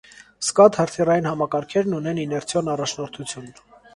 Սկադ հրթիռային համակարգերն ունեն իներցիոն առաջնորդություն։